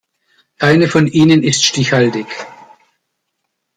Keine von ihnen ist stichhaltig.